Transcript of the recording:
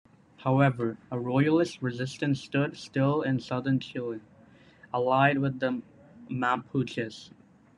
However, a Royalist resistance stood still in southern Chile, allied with the Mapuches.